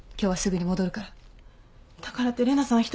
だからって玲奈さん一人だけじゃ。